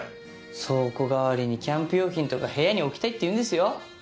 倉庫代わりにキャンプ用品とか部屋に置きたいって言うんですよ。